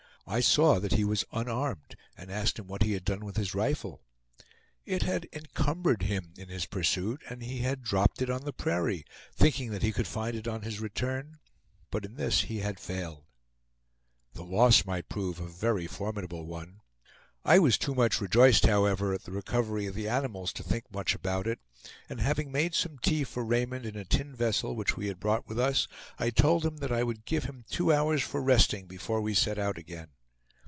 I saw that he was unarmed, and asked him what he had done with his rifle. It had encumbered him in his pursuit, and he had dropped it on the prairie, thinking that he could find it on his return; but in this he had failed. The loss might prove a very formidable one. I was too much rejoiced however at the recovery of the animals to think much about it; and having made some tea for Raymond in a tin vessel which we had brought with us, I told him that I would give him two hours for resting before we set out again.